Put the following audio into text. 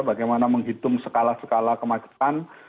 bagaimana menghitung skala skala kemacetan